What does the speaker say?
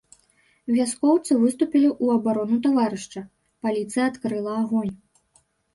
Вяскоўцы выступілі ў абарону таварыша, паліцыя адкрыла агонь.